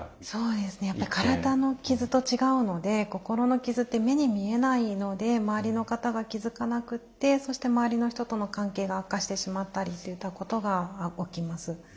そうですねやっぱり体の傷と違うので心の傷って目に見えないので周りの方が気付かなくってそして周りの人との関係が悪化してしまったりっていったことが起きます。